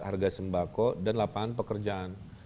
harga sembako dan lapangan pekerjaan